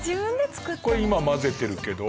これ今混ぜてるけど。